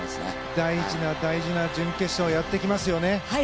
大事な大事な準決勝がやってきますよね。